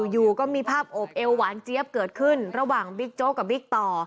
อยู่ก็มีภาพโอบเอวหวานเจี๊ยบเกิดขึ้นระหว่างบิ๊กโจ๊กกับบิ๊กต่อ